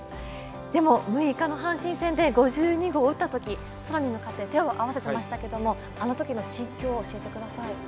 ６日の阪神戦で５２号を打ったとき空に向かって手を合わせていましたけどあのときの心境を教えてください。